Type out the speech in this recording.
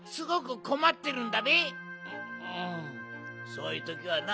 そういうときはな